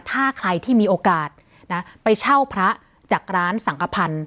ถ้าใครที่มีโอกาสนะไปเช่าพระจากร้านสังขพันธ์